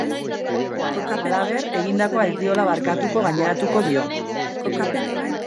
Halaber, egindakoa ez diola barkatuko gaineratuko dio.